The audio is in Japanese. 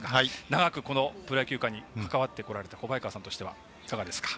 長く、プロ野球界に関わってこられた小早川さんとしてはいかがですか。